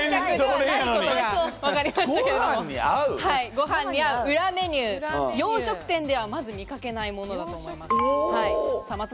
ご飯に合う裏メニュー、洋食店ではまず見掛けないものだと思います。